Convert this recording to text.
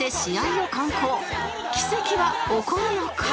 奇跡は起こるのか？